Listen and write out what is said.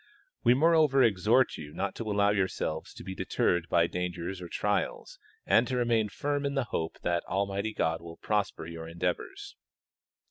We moreover exhort you not to allow yourselves to be deterred by dangers or trials, and to remain firm in the hope that Almighty God will prosper your endeavors.